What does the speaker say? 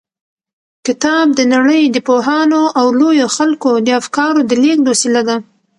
کتاب د نړۍ د پوهانو او لويو خلکو د افکارو د لېږد وسیله ده.